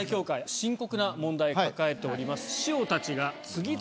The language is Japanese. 深刻な問題を抱えております。